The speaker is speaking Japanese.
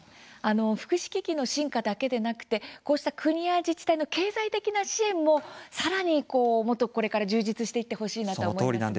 福祉機器の進化だけでなくこうした国や自治体の経済的な支援もさらにもっとこれから充実していってほしいなと思います。